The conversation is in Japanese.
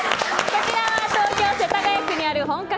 こちらは東京・世田谷区にある本格